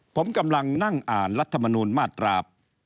ผมกำลังนั่งอ่านรัฐธรรมนุนมาตรา๘๖